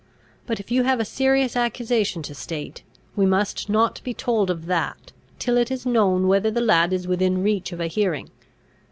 But if you have a serious accusation to state, we must not be told of that, till it is known whether the lad is within reach of a hearing.